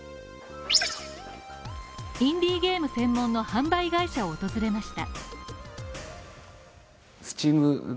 インディーゲーム専門の販売会社を訪れました。